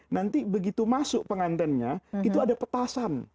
nanti begitu masuk pengantennya itu ada petasan